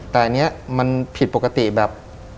แต่อันนี้มันผิดปกติแบบ